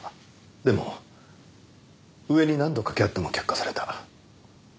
でも上に何度掛け合っても却下された。